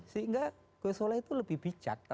sehingga gus soleh itu lebih bijak